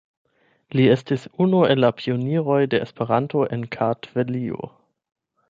Li estis unu el la pioniroj de Esperanto en Kartvelio.